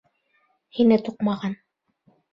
Һине туҡмаған.